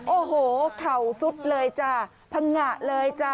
โอ้โหเข่าสุดเลยจ้ะพังงะเลยจ้ะ